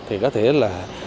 thì có thể là